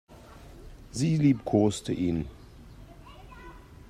Sie liebkoste ihn.